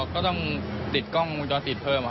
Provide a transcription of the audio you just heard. ก็ต้องติดกล้องวงจรปิดเพิ่ม